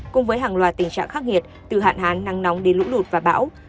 cùng với hàng loạt tình trạng khắc nghiệt từ hạn hán nắng nóng đến lũ lụt và bão